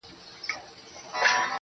مثبت فکر د امید رڼا ده.